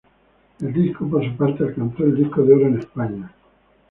El disco, por su parte, alcanzó el disco de oro en España.